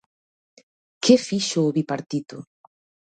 ¿Que fixo o Bipartito?